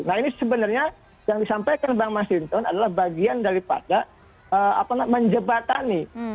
nah ini sebenarnya yang disampaikan bang mas hinton adalah bagian daripada menjebatani